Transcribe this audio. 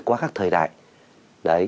qua các thời đại đấy